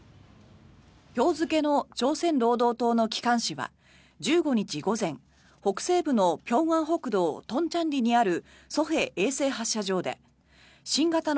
今日付の朝鮮労働党の機関紙は１５日午前北西部の平安北道東倉里にある西海衛星発射場で新型の